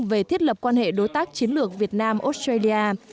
về thiết lập quan hệ đối tác chiến lược việt nam australia